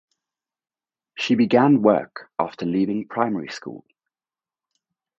She began work after leaving primary school.